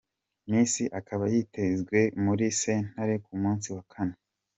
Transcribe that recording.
Messi akaba yitezwe muri sentare ku musi wa kane.